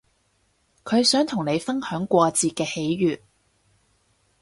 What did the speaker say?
佢想同你分享過節嘅喜悅